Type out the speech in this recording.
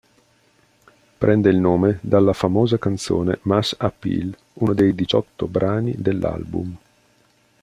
Prende il nome dalla famosa canzone "Mass Appeal", uno dei diciotto brani dell'album.